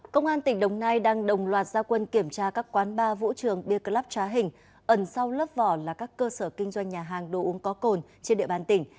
công an tỉnh đồng nai đang đồng loạt gia quân kiểm tra các quán bar vũ trường beer club trá hình ẩn sau lớp vỏ là các cơ sở kinh doanh nhà hàng đồ uống có cồn trên địa bàn tỉnh